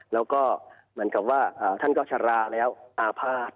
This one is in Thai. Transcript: แล้วก็เหมือนกับว่าท่านก็ชะลาแล้วอาภาษณ์